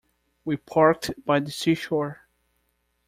We parked by the seashore.